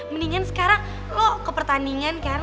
mendingan sekarang lo ke pertandingan kan